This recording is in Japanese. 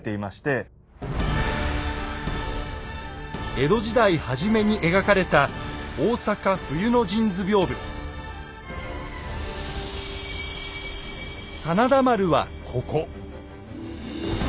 江戸時代初めに描かれた真田丸はここ。